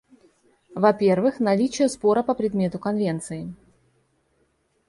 Во-первых, наличие спора по предмету Конвенции.